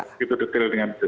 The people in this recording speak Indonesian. begitu detail dengan itu